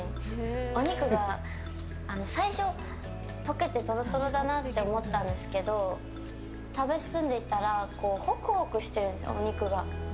お肉が最初溶けてトロトロだなって思ったんですけど食べ進んでいったらホクホクしてるんですね、お肉が。